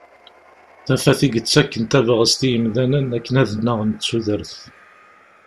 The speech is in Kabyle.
Tafat i yettakken tabɣest i yimdanen akken ad nnaɣen d tudert.